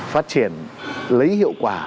phát triển lấy hiệu quả